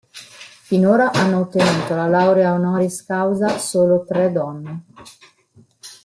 Finora hanno ottenuto la laurea honoris causa solo tre donne.